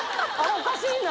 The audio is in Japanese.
おかしいな。